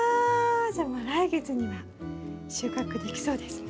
じゃあもう来月には収穫できそうですね。